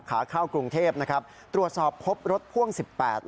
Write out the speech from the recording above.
ขาให้เข้ากรุงเทพฯตรวจสอบพบรถพ่วง๑๘ล้อ